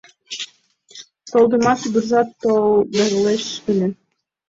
Толдымаш ӱдыржат толдалеш ыле.